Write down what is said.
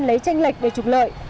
lấy tranh lệch để trục lợi